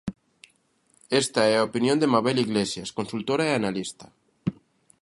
Esta é a opinión de Mabel Iglesias, consultora e analista.